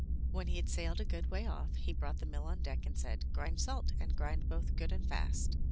When he had sailed a good way off, he brought the mill on deck and said, "Grind salt, and grind both good and fast.'